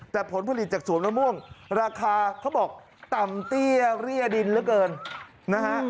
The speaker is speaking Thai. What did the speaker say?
แต่ผลผลิตจากสวนมะม่วงราคาเขาบอกต่ำเตี้ยเรียดินเหลือเกินนะฮะ